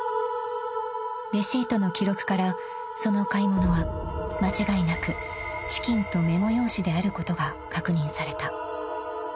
［レシートの記録からその買い物は間違いなくチキンとメモ用紙であることが確認された］